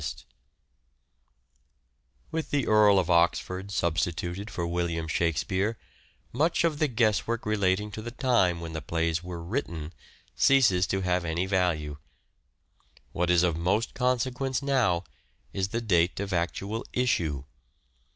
Dates of With the Earl of Oxford substituted for William Shakspere much of the guesswork relating to the time when the plays were written ceases to have any value : what is of most consequence now is the date of actual issue.